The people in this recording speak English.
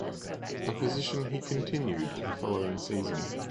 A position he continued the following season.